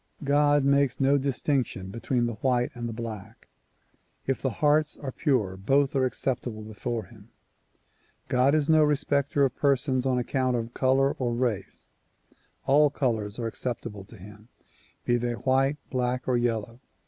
God makes no distinction between the white and black. If the hearts are pure both are acceptable before him. God is no respecter of persons on account of color or race. All colors are acceptable to him, be they white, black or yellow.